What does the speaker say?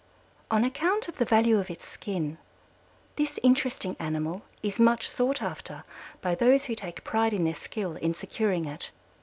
On account of the value of its skin, this interesting animal is much sought after by those who take pride in their skill in securing it.